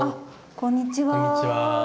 こんにちは。